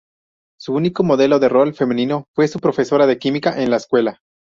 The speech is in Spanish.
Su único modelo de rol femenino fue su profesora de química en la escuela.